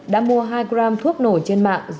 đã mua hai g thuốc nổ trên mạng